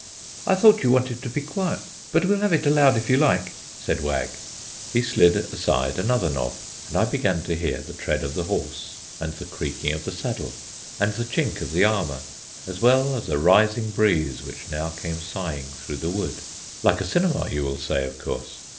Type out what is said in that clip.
"I thought you wanted to be quiet," said Wag, "but we'll have it aloud if you like." He slid aside another knob, and I began to hear the tread of the horse and the creaking of the saddle and the chink of the armour, as well as a rising breeze which now came sighing through the wood. Like a cinema, you will say, of course.